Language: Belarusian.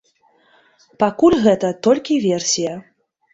Пакуль гэта толькі версія.